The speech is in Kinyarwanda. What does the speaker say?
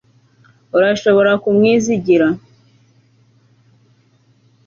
Urashobora kumwizigira